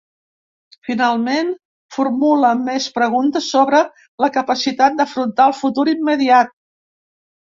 Finalment, formula més preguntes sobre la capacitat d’afrontar el futur immediat.